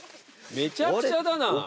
めちゃくちゃだな。